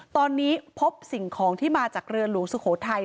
ตอนนี้พบสิ่งของที่มาจากเรือหลวงสุโขทัย